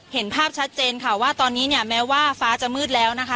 เห็นภาพชัดเจนค่ะว่าตอนนี้เนี่ยแม้ว่าฟ้าจะมืดแล้วนะคะ